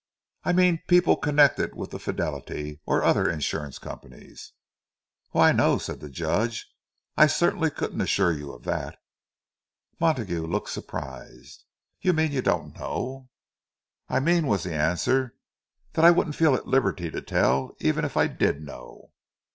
"I mean people connected with the Fidelity or other insurance companies." "Why, no," said the Judge; "I certainly couldn't assure you of that." Montague looked surprised. "You mean you don't know?" "I mean," was the answer, "that I wouldn't feel at liberty to tell, even if I did know."